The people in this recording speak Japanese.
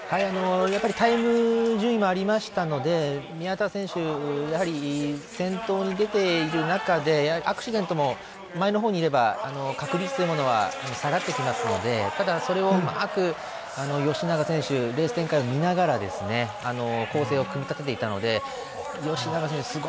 タイム順位もありましたので宮田選手先頭に出ている中でアクシデントも前の方にいれば確率というのは下がってきますのでただ、それをうまく吉永選手レース展開を見ながら構成を組み立てていたので吉永選手